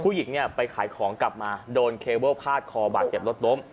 ผู้หญิงเนี่ยไปขายของกลับมาโดนเคเบิลพาดคอบาดเจ็บรถล้ม